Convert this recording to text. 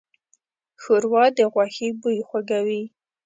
ښوروا د غوښې بوی خوږوي.